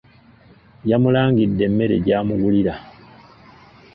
Yamulangidde emmere gy'amugulra.